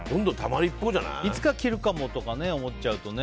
いつか着るかもとか思っちゃうとね。